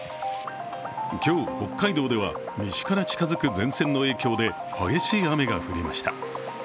今日、北海道では西から近づく前線の影響で激しい雨が降りました。